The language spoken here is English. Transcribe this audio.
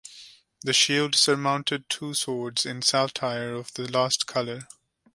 The shield surmounted two swords in saltire of the last colour.